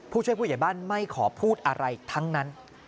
ผู้ช่วยผู้ใหญ่บ้านไม่ขอพูดอะไรทั้งนั้น